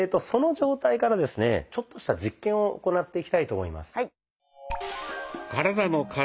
その状態からですねちょっとした実験を行っていきたいと思います。